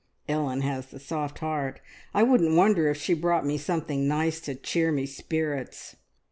Ellen has the soft heart I wouldn't wonder if she brought me something nice to cheer me spirits!"